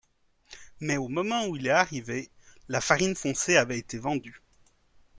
Mais au moment où il est arrivé, la farine foncée avait été vendue.